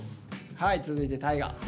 はい続いて大我。